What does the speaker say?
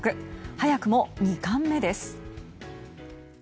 早くも２冠目です。